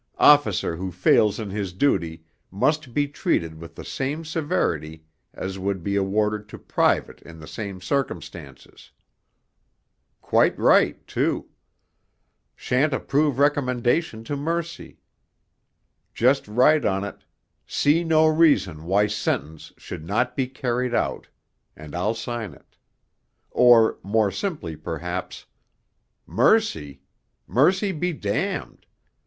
"Officer who fails in his duty must be treated with the same severity as would be awarded to private in the same circumstances." Quite right too. Shan't approve recommendation to mercy. Just write on it, "See no reason why sentence should not be carried out," and I'll sign it.' Or, more simply perhaps: 'Mercy! mercy be damned!